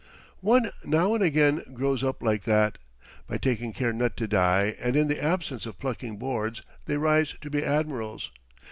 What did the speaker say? One now and again grows up like that. By taking care not to die, and in the absence of plucking boards, they rise to be admirals.